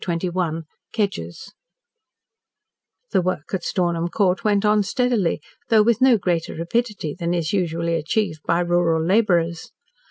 CHAPTER XXI KEDGERS The work at Stornham Court went on steadily, though with no greater rapidity than is usually achieved by rural labourers.